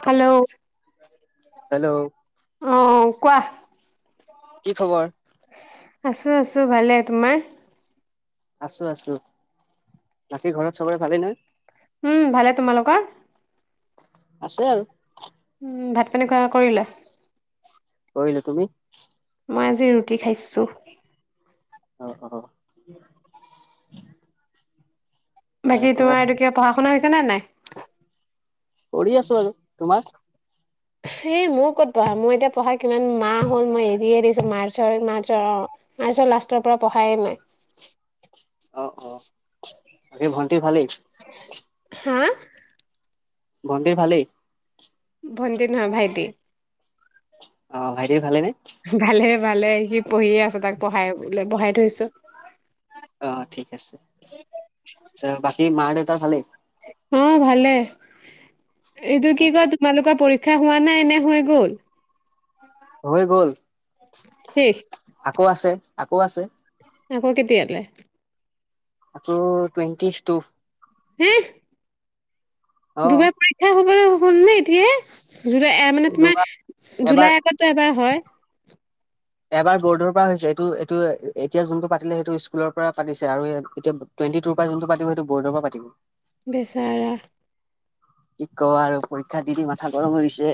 Hello hello অহ কোৱা! কি খবৰ? আছো-আছো ভালে, তোমাৰ? আছো-আছো, বাকী ঘৰত চবৰে ভালেই নে? উম ভালে, তোমালোকৰ? আছে আৰু উম, ভাত পানী খোৱা-বোৱা কৰিলা? কৰিলো। তুমি? মই আজি ৰুটি খাইছো। অহ অ অ! তাৰ বাকী পৰা তোমাৰ এইটো কিবা পঢ়া শুনা হৈছে- নে নাই? কৰি আছো আৰু তোমাৰ? এ, মোৰ ক'ত পঢ়া, মই এতিয়া পঢ়া কিমান মাহ হ'ল মই এৰিয়ে দিছো মাৰ্চৰ, মাৰ্চৰ অ মাৰ্চৰ লাষ্টৰ পৰা পঢ়াই নাই। অ-অ বাকী ভাল কি ভালেই? হা ভন্তিৰ ভালেই ভণ্টি নহয়, ভাইটি। অ, ভাইটি ভালে নে? ভালে-ভালে স সি পঢ়িয়ে আছো, তাক পঢ়াই বঢ়াই থৈছো। অ, ঠিক আছে। বাকী মা দেউতাৰ ভালেই? উম, ভালে এইটো অ কি কয় তোমালোকৰ পৰী ক্ষা হোৱা নাই নে হৈ গ'ল? হৈ গ'ল, শেষ আকৌ আছে। আকৌ আছে। আক' কেতিয়ালে? আকৌ টুৱেণ্টি টু। হেহ। অ দুবাৰ পৰীক্ষা হ'বলে হ'লনে এতিয়াই? জুলাই এয়া মানে দুবাৰ তোমাৰ এবাৰ জুলাইৰ আগতো এবাৰ হয়? এবাৰ বৰ্ডৰ পৰা হৈছে, এইটো এইটো এতিয়া যোনটো পাতিলে সেইটো স্কুলৰ পৰা পাতিছে আৰু এতিয়া টুৱেণ্টি টুৰ পৰা যোনটো পাতিব সেইটো বৰ্ডৰ পৰা পাতিব। বেচেৰা। কি কওঁ আৰু পৰীক্ষা দি দি মাথা গৰম হৈ গৈছে।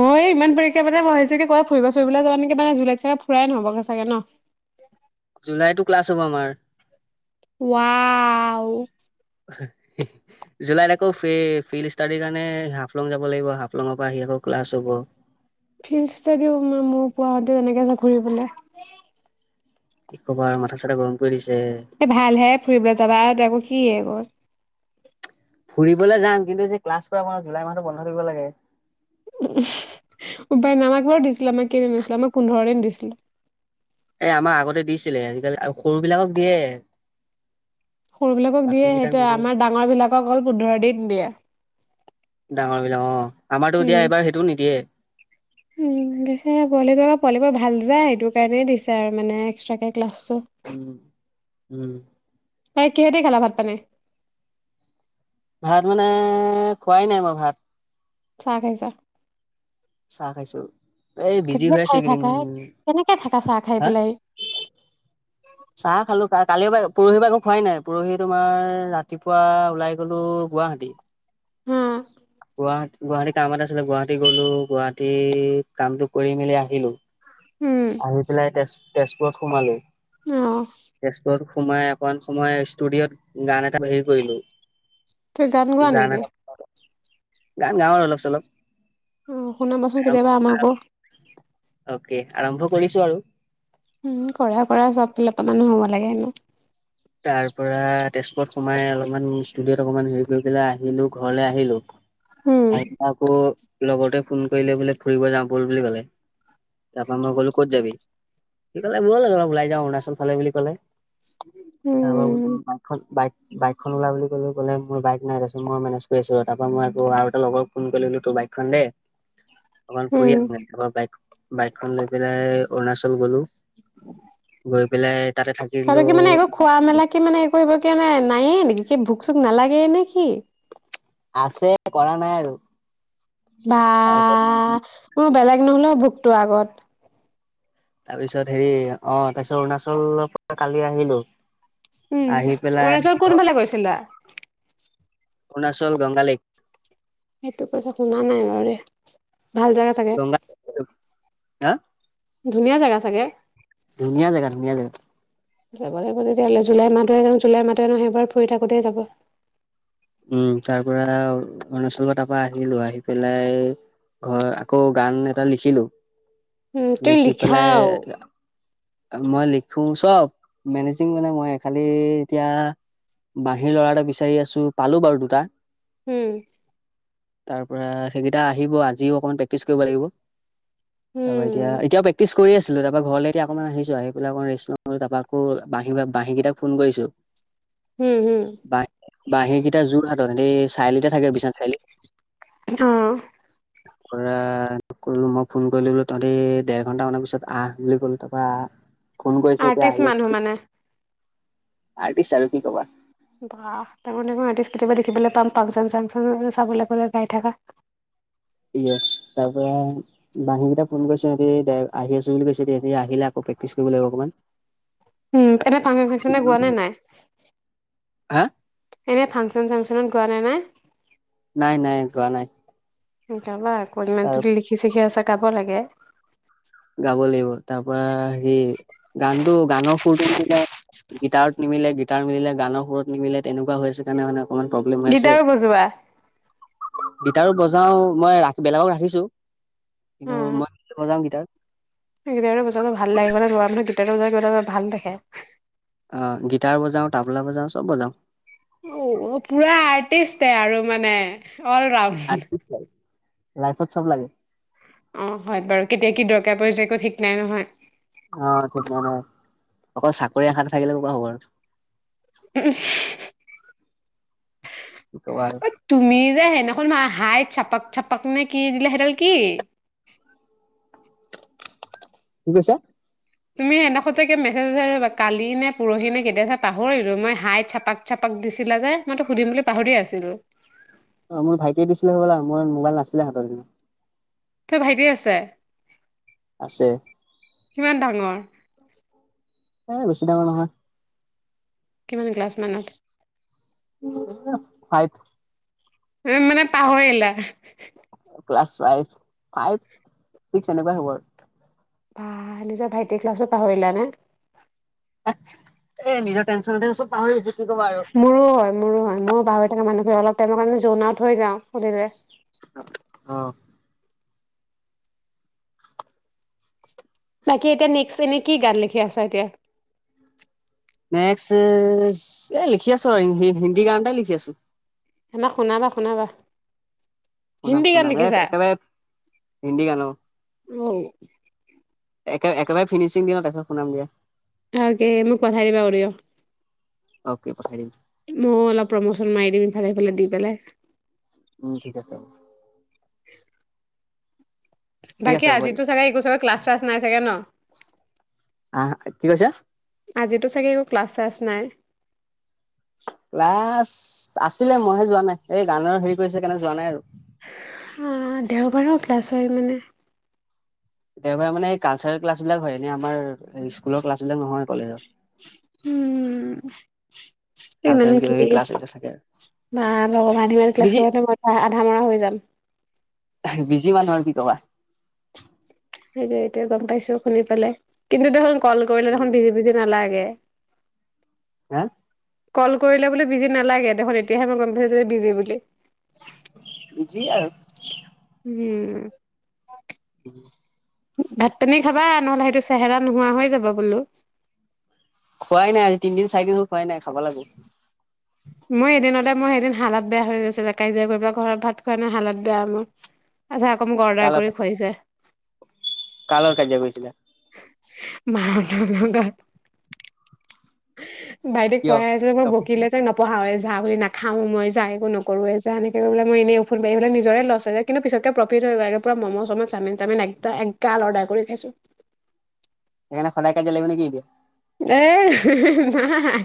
অঁ এই ইমান পৰীক্ষা পাতে মই ভাবিছোঁ ছোঁ কি ক'বাত ফুৰিব চুৰিবলৈ যাবা নেকি মানে জুলাইত চাগে ফুৰাই নহ'বগে চাগে ন? জুলাইতো ক্লাছ হ'ব আমাৰ। ৱাও! জুলাইত আকৌ ফি ফিল্ড ষ্টাডিৰ কাৰণে হাফলং যাব লাগিব, হাফলঙৰ পৰা আহি আকৌ ক্লাছ হ'ব। ফিল্ড ষ্টাডীও আমাৰ মোৰ পোৱাহতে এনেকে যে ঘুৰিবলে। কি কবা আৰু মাথা চাথা গৰম কৰি দিছ এই ভালহে ফুৰিবলৈ যাবা ত' এবোৰ কি এবোৰ ফুৰিবলৈ যাম কিন্তু যে ক্লাছ কৰাব, জুলাই মাহটো বন্ধ থাকিব লাগে। উপায় নাই আমাৰ [unintelligible] দিছিলে আমাক কেইদিন মান আছিলে, আমাক পোন্ধৰ দিন দিছিলে। এ আমাৰ আগতে দিছিলে, আজিকালি সৰু বিলাকক দিয়ে। সৰুবিলাকক বাকী দিয়ে কেইটাক সেইটোৱে নিদিয়ে। আমাৰ ডাঙৰ বিলাকক অকল পোন্ধৰ দিন দিয়ে। ডাঙৰ বিলাক অঁ উম উম, বেচেৰা পোৱালিটো, পোৱালীবোৰ ভাল যায় সেইটো কাৰণেই দিছে আৰু মানে এক্সট্ৰাকে ক্লাছ উম। উম। বাকী কিহেদি খালা ভাত পানী? ভাত মানে, খোৱাই নাই মই ভাত। চাহ খাইছা? চাহ খাইছো। এই বিজি কেনেকে হৈ আছো খাই এইকিদিন, থাকা? কেনেকে থাকা চাহ খাই হা? পেলাই? চাহ খালো কা কালিৰ পৰা, পৰহি পৰা একো খোৱাই নাই। পৰহি তোমাৰ ৰাতিপুৱা ওলাই গলো গুৱাহাটী হম। গুৱাহাটী কাম এটা আছিলে গুৱাহাটী গলো, গুৱাহাটী কামটো কৰি মেলি আহিলো। উম, আহি পেলাই তেজ তেজপুৰত সোমালো। উম অঁহ। তেজপুৰত সোমাই অকণ সময় ষ্টুডিঅ'ত গান এটা হেৰি কৰিলো। তই গান গোৱা নেকি গান গাওঁৱ অলপ চলপ অ শুনাবচোন কেতিয়াবা আমাকো অকে আৰম্ভ কৰিছো আৰু উম কৰা কৰা চব ফালে মানুহ হ'ব লাগে হনো তাৰ পৰা তেজপুৰত সোমাই অলপমান ষ্টুডিঅত অকমান হেৰি কৰি পেলাই আহিলো ঘৰলে আহিলো উম, তাৰিপইছ আকো লগতে ফোন কৰিলে বোলে ফুৰিব যাওঁ বল বুলি কলে তাৰ পৰাা মই কলো ক'ত যাবি কি কলে বয় লাগে অ ওলাই যাওঁ অৰুণাচল ফালে বুলি কলে তাৰপ উম, বাই বাইক বাইকখন ওলা বুলি কলো কলে মোৰ বাইক নাই তাৰপিছত মই মেনেজ কৰি আছো তাৰ পৰা মই আৌ আৰু এটা লগৰ ফোন কৰিলো ত বাইকখন দে অকমান উম। ফুৰি আন আৰ বাইক বাইকখন লৈ পেলাই অৰুণাচল গলো গৈ পেলাই তাতে থাকিলো কি মানে একো খোৱা মেলা কি মানে একো এইবোৰ কি মানে নাই এ নেকি ভোক চোক নালাগে নে কি আছে কৰা নাই আৰু বা তাৰ মোৰ বেলেগ নহলেও ভোকটোৰ আগত তাৰ পিছত হেৰি অ তাৰপিছত অৰুণাচলৰ পৰা কালি আহিলো উম আহি পেলাই অৰুণাচল ঘ কোনফালে গৈছিলা অৰুণাচল গংগালেক সেইটো কথা শুনা নাই বাৰুৰে ভাল জাগা চাগে গংগা হা ধুনীয়া জেগা চাগে ধুনীয়া জেগা ধুনীয়া জেগা যাব লাগিব তেতিয়াহ'লে জুলাই মাহটো জুলাই মাহহে টো সেইবাৰ ফুৰি থাকোতেই যাব উম তাৰ পৰা অৰুণাচলৰ তাৰপা আহিলো আহি পেলাই ঘৰ আকৌ গান এটা লিখিলো উম তুমি লিখি পেলাই লিখাও মই লিখো চব মেনেজিং মানে মই খালি এতিয়া বাঁহীৰ ল'ৰা এটা বিচাৰি আছো পালো বাৰু দুটা, হম, তাৰ পৰা সেইকেইটা আহিব আজিও অকমান প্ৰেক্টিচ কৰিব লাগিব। তাৰপা উম এতিয়া এতিয়াও প্ৰেক্টিচ কৰি আছিলো তাৰপা ঘৰলে এতিয়া। অকমান আহিছো আহি পেলাই অকমান ৰেষ্ট লও তাৰ পৰা আকৌ বা বাঁহী কেইটাক ফোন কৰিছো। উম হম বাঁহী বাঁহীকেইটা যোৰহাত সেই চাৰিআলিতে থাকে বিশনা চাৰিআলি। অ কৰা মই ফোন কৰিলো বোলো তহঁতি দেৰ ঘন্টা মানৰ পিছত আহ বুলি কলো তাৰপৰা আহ, ফোন কৰিছে এতিয়া আৰ্টিষ্ট আহি মানুহ আছো বুলি। মানে আৰ্টিষ্ট আৰু কি কবা। বাহ তাৰমানে মই আৰ্টিষ্ট কেতিয়াবা দেখিবলৈ পাম ফাংচন চাংচন চাবলৈ গ'লে গাই থকা। [unintelligible] তাৰ পৰা বাহীকেইটা ফোন কৰিছ। সহতি আহি আছো বুলি কৈছে সেটি আহিলে আকৌ প্ৰেক্টিচ কৰিব লাগিব অকমান। উম এনে ফাংচন চাংচনে গোৱা নে নাই। হা, এনেই ফাংচন চাংচনত গোৱা নে নাই। নাই নাই গোৱা নাই। গাবা, তাৰ [unintelligible] লিখি ছিখি আছা গাব লাগে। গাব লাগিব তাৰ পৰা হেৰি গানটো গানৰ সুৰটো গিটাৰত নিমিলে গিটাৰ মিলে গানৰ সুৰত নিমিলে তেনেকুৱা হৈছে। কাৰণে মানে অকমান প্ৰব্লেম হৈ আছে। গীটাৰো বজোৱা গিটাৰো বজাও মই ৰা বেলেগক ৰাখিছো। কিন্তু মন মজা ক তাক সেইট বো ভাল লাগিব ন ৰ গীটাৰ বজাৰ [unintelligible] ভাল দেখে। অ, গিটাৰ বজাও, তাবলা বজাও, চব বজাওঁ, অ, পুৰা আৰ্টিষ্টে আৰু মানে অল ৰাউণ্ড লাইফত চব লাগে। অ, হয় বাৰু কেতিয়া কি দৰকাৰ প্যায় একো ঠিক নাই নহয়। অ, ঠিক অকল চাকৰি এশাত থাকিলে [unintelligible] খবৰ উম হি কি ক'বা আৰু [inaudible] অ তুমি যায়ে নাখন [unintelligible] হাই চাপক-চাপাক নে কি দিলে সেইডাল কি? কি কৈছা? তুমি সেনাখতে কি মেছেজা [unintelligible] কালি নে পৰহি নে কেতিয়া চাই পাহৰিলো মই হাই চাপাক-চাপাক দিছিলা যে, মইতো সুধিম বুলি পাহৰিয়ে আছিলো। অ মোৰ ভাইটিয়ে দিছিলে হ'বলা মোৰ মোবাইল নাছিলে হাতৰ তোৰ ভাইটি আছে? আছে কিমান ডাঙৰ এ বেছি ডাঙৰ নহয়। কিমান ক্লাছ মানত ফাইভ উম মানে পাহৰিলা। ক্লাছ ফাইভ-ফাইভ চিকচ যেনেকুৱাই হ'ব আৰু। বা, নিজৰ ভাইটিৰ ক্লাছত পাহৰিলা নে। এ নিজৰ টেনশ্যনতে চব পাহৰি গৈছো। কি ক'বা আৰু। মোৰো হয়- মোৰো হয়, মোৰ পাহৰি থকা মানুহ অলপবোৰে তেনে কাৰণে জন আউট হৈ যাও সুধিলে। অঁ-অঁ। বাকী এতিয়া নেক্সট এনে কি গান লিখি আছ এতিয়া। নেক্স এ লিখি আছো আৰু হিন্ হিন্দী গান এটাই লিখি আছো। আমাক শুনাবা শুনাবা। শুনাম হিন্দী গান শুনাম, লিখিছা? একেবাৰে হিন্দী গান অ'। একে-একেবাৰে ফিনিচিং দিয়া দেখাম, শুনামগে। আগে মোক পঠাই দিবা, উলিয়াম। অ'কে, পঠাই দিম। মই অলপ প্ৰমোচন মাৰি দিম, ইফালে-সিফালে দি পেলাই। উম, ঠিক আছে হ'ব। ঠিক বাকী আছে হ'ব দিয়া। আজিতো চাগে এই [unintelligible] ক্লাছ শ্লাচ। নাই চাগে ন। আহ কি কৈছা? [unintelligible] আজিতো চাগে একো ক্লাছ শ্লাছ নাই। ক্লাছ আছিলে মইহে যোৱা নাই এই গানৰ হেৰি কৰি আছে কাৰনে যোৱা নাই আৰু। আহ দেওবাৰেও ক্লাছ হয় মানে। কেতিয়াবা মানে কালচাৰেল ক্লাছ বিলাক হয় এনে আমাৰ স্কুলৰ ক্লাছ বিলাক নহয় কলেজৰ। উম ইমান কালচাৰেল কিবা কি কিবি ক্লাছ এইবিলাক থাকে আৰু বা ভগৱান ইমান ক্লাছ বিজি কৰিলে মই আধা মৰা হৈ যাম। বিজি মানুহ আৰু কি কবা। সেইটো এতিয়া গম পাইছো শুনি পেলাই কিন্তু দেখোন। ক'ল কৰিলে দেখোন বিজি বিজি নালাগ। তাকে। হা। ক'ল কৰিলে বোলো বিজি নালাগে দেখোন এতিয়াহে মই গম পাইছোঁ বিজি বুলি। বিজি আৰু। উম। [unintelligible] ভাত পানী খাবা নহ'লে সেইটো চেহেৰা নোহোৱা হৈ যাব বোলো। খোৱাই নাই আজি তিনিদিন চাৰিদিন হল খোৱাই নাই খাব লাগিব। মোৰ এদিনতে মোৰ এদিন হালত বেয়া হৈ গৈছিলে কাজিয়া কৰি ঘৰত ভাত খোৱাই নাই হালত বেয়া মোৰ। আচ্ছা আকৌ মোক কাৰ অৰ্ডাৰ লগত কৰি খুৱাইছে। কাৰ লগত কাজিয়া কৰিছিলা? মাৰ লগত গা বাইদেউ কিয়? পঢ়াই আছিল মোক বকিলে যে নপঢ়াও যাৰ গাহৰী নাখাওঁ মই যা একো নকৰোঁৱে যা এনেকৈ কৈ পেলাই মই এনে ফোন পাৰি পেলাই নিজৰ লছ হ'লে, কিন্তু পিছত গৈ প্ৰফিট হ'ল বাৰু পূৰা মম' চম' চাওঁমিন তাওঁমিন একদম এক এগাল অৰ্ডাৰ কৰি খাইছোঁ। সেই কাৰণে সদায় কাজিয়া লাগিব নে কি এতিয়া? এ নাই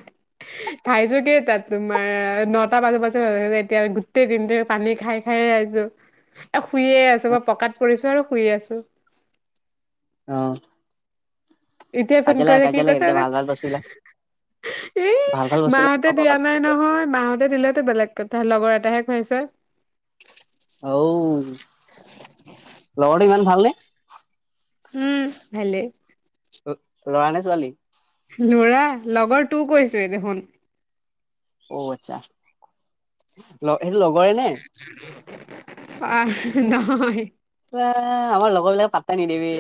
খাই যদিও তাত তোমাৰ নটা বাজৰ পাছত এতিয়া গোটেই দিনটো পানী খাই খাই আছোঁ। এই শুইয়ে আছোঁ। পকাত পৰিছোঁ আৰু শুইয়েই আছোঁ। অহ' এতিয়াই ফোন কৰি কি কৈছে, ভাল ভাল বস্তুবিলাক এই ভাল ভাল বস্তুবিলাক মাহঁতে খাব পাবা। দিয়া নাই নহয়, মাহঁতে দিলেতো বেলেগ কথা লগৰ এটাহে কৈ আছে। অঔ, লগৰটো ইমান ভালনে? উম, ভালে তোৰ ল'ৰা নে ছোৱালী? ল'ৰা, লগৰটো কৈছোয়ে দেখোন। অ', আচ্ছা, ল সেইটো লগৰে নে। আ নহয়। এ আমাৰ লগৰবিলাক পাত্তাই নিদিয়ে বে,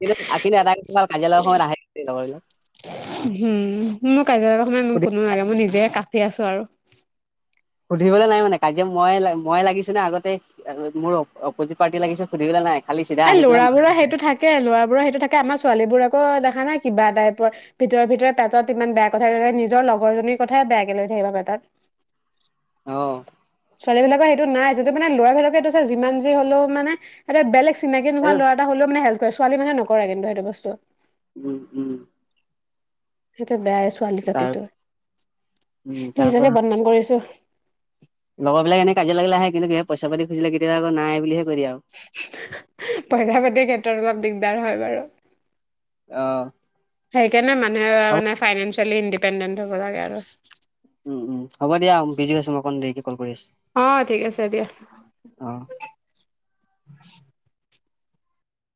কিন্তু অ কিন্তু এটা কথা দেই কাজিয়া লগাৰ সময়ত আহে কিন্তু লগৰবোৰ, উম সুধি ফি আছো আৰু। সুধিবলে নাই মানে, কাজিয়া ময়ে লা, ময়ে লাগিছোঁনে আগতে মোৰ অপজিত পাৰ্টিয়ে লাগিছে সুধিবলৈ নাই। খালি চিধা এ আহি পেলাই ল'ৰা বোৰৰ সেইটো থাকে, ল'ৰা বোৰৰ সেইটো থাকে, আমাৰ ছোৱালীবোৰ আকৌ দেখা নাই কিবা টাইপৰ ভিতৰে-ভিতৰে পেটত ইমান বেয়া কথা লৈ থাকে, নিজৰ লগৰজনীৰ কথাই বেয়াকে লৈ থাকিব পেটত। অঁ। ছোৱালী বিলাকৰ সেইটো নাই যদিও মানে ল'ৰা বিলাকে এইটো চাই যিমান যি হ'লেও মানে এটা বেলেগ চিনাকি নোহোৱা ল'ৰা হ'লেও মানে হেল্প কৰে, ছোৱালী মানুহে নকৰে কিন্তু সেইটো বস্তু। উম- উম। সেইটো বেয়া এ ছ ছোৱালী তাৰ জাতিটোৰ, উম নিজকে বদনাম কৰিছোঁ। লগৰবিলাক এনে কাজিয়া লাগিলে আহে কিন্ত সেয়ে পইচা-পাতি খুজিলে কেতিয়াবা আকৌ নাই বুলিহে কৈ দিয়ে আৰু পইচা-পাতি ক্ষেত্ৰত অলপ দিগ দাৰ হয় বাৰু। অঁ। সেইকাৰণে মানুহে মানে ফাইনেন্স চেলি ইণ্ডিপেণ্ডেণ্ট হ'ব লাগে আৰু। উম- উম, হ'ব দিয়া বিজি আছো, মই অকন দেৰিকে কল কৰি আছো, অ ঠিক আছে দিয়া অ'।